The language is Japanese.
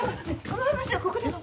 その話はここでは！